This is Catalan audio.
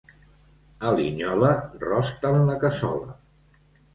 A Linyola rosten la cassola.